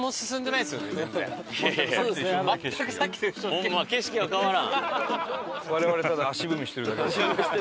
ホンマ景色が変わらん。